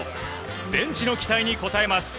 ベンチの期待に応えます。